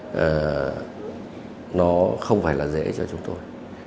và nó không phải là dễ cho chúng tôi